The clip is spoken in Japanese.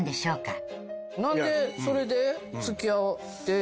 何でそれで付き合って。